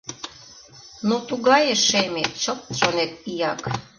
Ну, тугае шеме, чылт, шонет, ияк!